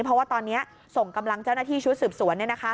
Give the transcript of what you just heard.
เพราะว่าตอนนี้ส่งกำลังเจ้าหน้าที่ชุดสืบสวน